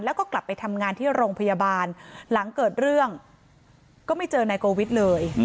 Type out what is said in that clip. แล้วก็กลับไปทำงานที่โรงพยาบาลหลังเกิดเรื่องก็ไม่เจอนายโกวิทย์เลย